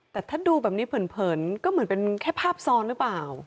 แต่ถ้าดูแบบนี้เผินก็เหมือนเป็นแค่ภาพซ้อนหรือเปล่า